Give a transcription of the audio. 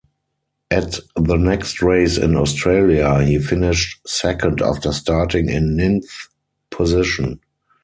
At the next race in Australia, he finished second after starting in ninth position.